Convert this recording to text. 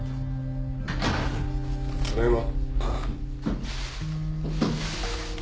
ただいま。